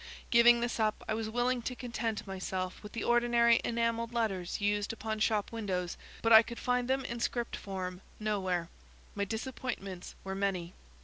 Giving this up, I was willing to content myself with the ordinary enamelled letters used upon shop windows, but I could find them in script form nowhere. My disappointments were many.